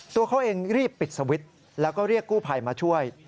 ตัวเขาเองรีบปิดสวิตช์แล้วก็เรียกกู้ภัยมาช่วย